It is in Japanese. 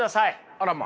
あらま。